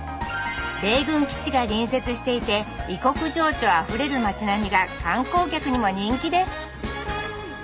米軍基地が隣接していて異国情緒あふれる町並みが観光客にも人気です